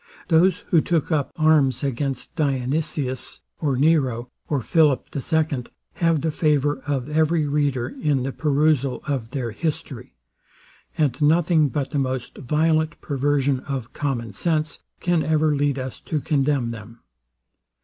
Those who took up arms against Dionysius or Nero, or Philip the second, have the favour of every reader in the perusal of their history: and nothing but the most violent perversion of common sense can ever lead us to condemn them.